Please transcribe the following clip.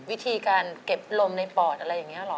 วิธีการเก็บลมในปอดอะไรอย่างนี้หรอ